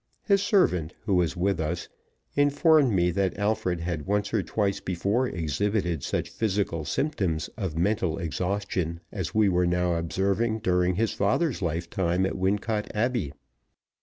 His servant, who was with us, informed me that Alfred had once or twice before exhibited such physical symptoms of mental exhaustion as we were now observing during his father's lifetime at Wincot Abbey.